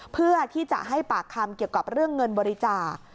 เพื่อที่จะให้ปากคำเกี่ยวกับเรื่องเงินบริจาค